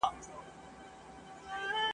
تر غرمي پوري یې وکړله تاختونه ..